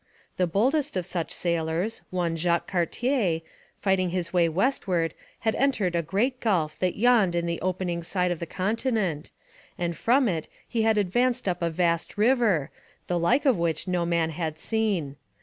The boldest of such sailors, one Jacques Cartier, fighting his way westward had entered a great gulf that yawned in the opening side of the continent, and from it he had advanced up a vast river, the like of which no man had seen.